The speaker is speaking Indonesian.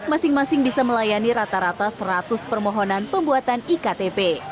masing masing bisa melayani rata rata seratus permohonan pembuatan iktp